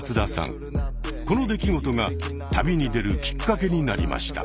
この出来事が旅に出るきっかけになりました。